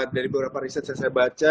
dari beberapa riset yang saya baca